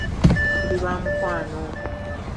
Tuli ba mukwano!